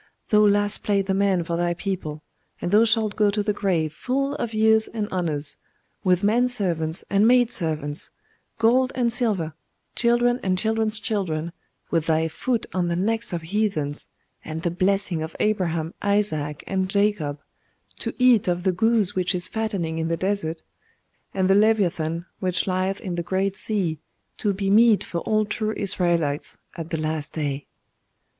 Thou Last played the man for thy people; and thou shalt go to the grave full of years and honours, with men servants and maid servants, gold and silver, children and children's children, with thy foot on the necks of heathens, and the blessing of Abraham, Isaac, and Jacob, to eat of the goose which is fattening in the desert, and the Leviathan which lieth in the great sea, to be meat for all true Israelites at the last day.